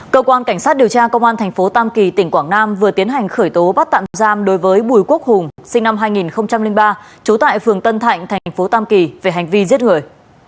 cơ quan cảnh sát điều tra công an tp tam kỳ tỉnh quảng nam vừa tiến hành khởi tố bắt tạm giam đối với bùi quốc hùng sinh năm hai nghìn ba chú tại phường tân thạnh tp tam kỳ về hành vi giết người